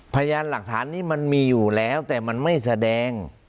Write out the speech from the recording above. พยานหลักฐานนี้มันมีอยู่แล้วแต่มันไม่แสดง